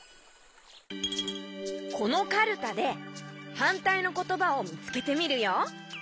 このカルタではんたいのことばをみつけてみるよ。